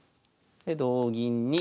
で同銀に。